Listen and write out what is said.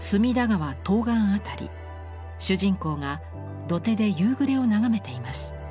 東岸あたり主人公が土手で夕暮れを眺めています。